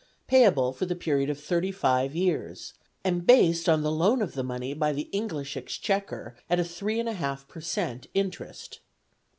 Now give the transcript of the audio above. payable for the period of thirty five years, and based on the loan of the money by the English Exchequer at 3 1/2 per cent. interest.